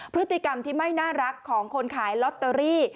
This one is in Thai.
พฤติกรรมที่ไม่น่ารักของคนขายลอตเตอรี่